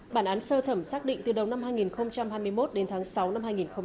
bản án sơ thẩm xác định từ đầu năm hai nghìn hai mươi một đến tháng sáu năm hai nghìn hai mươi ba